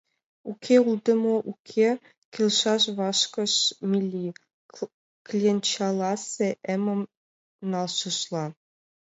— Уке улде мо, уке, — келшаш вашкыш Милли, кленчаласе эмым налшыжла.